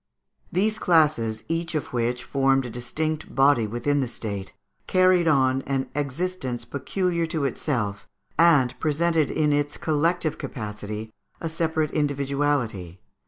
_ These classes, each of which formed a distinct body within the State, carried on an existence peculiar to itself, and presented in its collective capacity a separate individuality.